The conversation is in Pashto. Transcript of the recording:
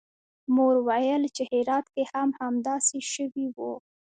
مور ویل چې هرات کې هم همداسې شوي وو